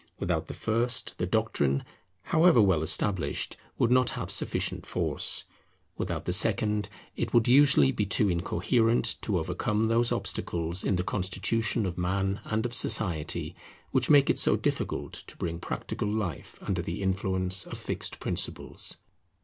Without the first, the doctrine, however well established, would not have sufficient force. Without the second, it would usually be too incoherent to overcome those obstacles in the constitution of man and of society, which make it so difficult to bring practical life under the influence of fixed principles.